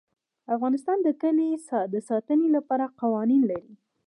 افغانستان د کلي د ساتنې لپاره قوانین لري.